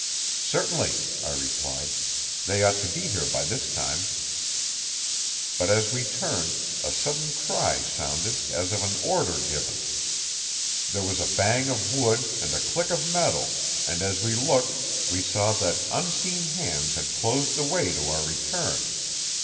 "Certainly," I replied. "They ought to be here by this time." But as we turned, a sudden cry sounded as of an order given. There was a bang of wood and a click of metal, and, as we looked, we saw that unseen hands had closed the way to our return.